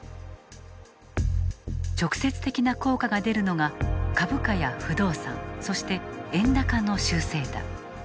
直接的な効果が出るのが株価や不動産そして円高の修正だ。